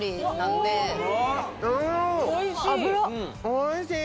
おいしい！